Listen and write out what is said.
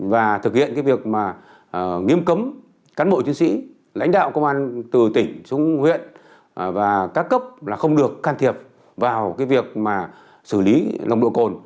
và thực hiện cái việc mà nghiêm cấm cán bộ chiến sĩ lãnh đạo công an từ tỉnh xuống huyện và các cấp là không được can thiệp vào cái việc mà xử lý nồng độ cồn